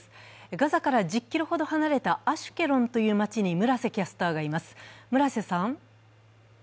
ガザから１０ｋｍほど離れたアシュケロンという街に村瀬キャスターがいます。